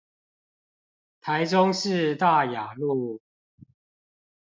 台中市大雅路